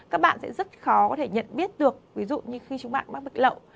các bạn sẽ rất khó có thể nhận biết được ví dụ như khi chúng bạn bắt bực lậu